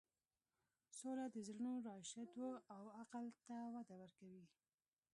سوله د زړونو راشدو او عقل ته وده ورکوي.